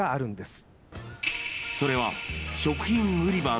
［それは］